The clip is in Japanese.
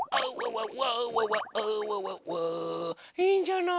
いいんじゃない？